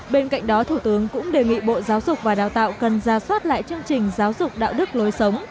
bên cạnh đó thủ tướng cũng đề nghị bộ giáo dục và đào tạo cần ra soát lại chương trình giáo dục đạo đức lối sống